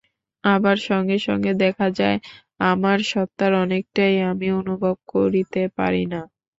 আবার সঙ্গে সঙ্গে দেখা যায়, আমার সত্তার অনেকটাই আমি অনুভব করিতে পারি না।